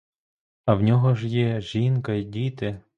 А в його ж є жінка й діти.